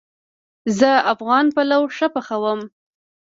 زه افغان پلو ښه پخوم